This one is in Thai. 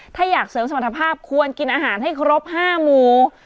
ถ้าอยากเสริมสมรรถภาพควรกินอาหารให้ครบ๕หมู่